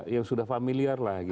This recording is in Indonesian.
ya sudah familiar lah gitu ya